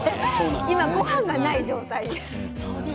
今ごはんがない状態です。